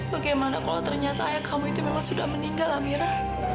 bagaimana kalau ternyata ayah kamu itu memang sudah meninggal amira